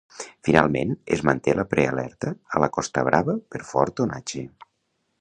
Finalment, es manté la prealerta a la Costa Brava per fort onatge.